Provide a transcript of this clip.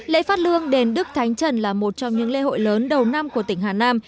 lễ phát lương đền đức thánh trần là một trong những lễ hội lớn đầu năm của tỉnh hà nam